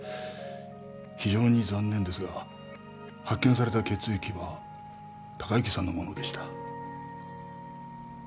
非常に残念ですが発見された血液は貴之さんのものでした。